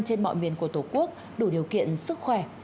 trên mọi miền của tổ quốc đủ điều kiện sức khỏe